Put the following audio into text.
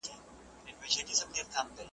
څوک به څرنګه منتر د شیطان مات کړي .